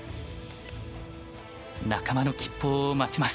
仲間の吉報を待ちます。